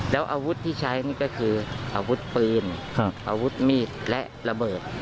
แล้วอาวุธที่ใช้นี่ก็คืออาวุธปืนอาวุธมีดและระเบิด